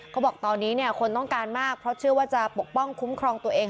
เขาบอกตอนนี้คนต้องการมากเพราะเชื่อว่าจะปกป้องคุ้มครองตัวเอง